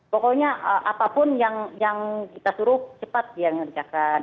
pokoknya apapun yang kita suruh cepat dia ngerjakan